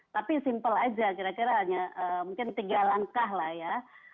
tapi simpel aja kira kira hanya mungkin tiga langkah lah ya